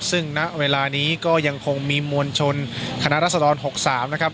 ซึ่งณเวลานี้ก็ยังคงมีมวลชนคณะรัศดร๖๓นะครับ